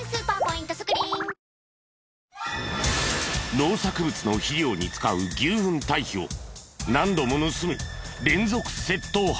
農作物の肥料に使う牛ふん堆肥を何度も盗む連続窃盗犯。